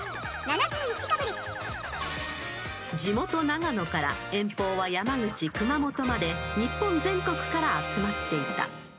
［地元長野から遠方は山口熊本まで日本全国から集まっていた］